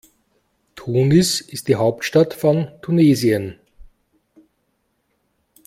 Tunis ist die Hauptstadt von Tunesien.